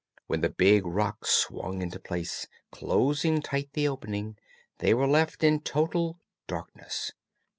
When the big rock swung into place, closing tight the opening, they were left in total darkness.